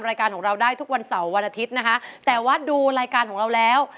รายการของเราได้ทุกวันเสาร์วันอาทิตย์นะคะแต่ว่าดูรายการของเราแล้ว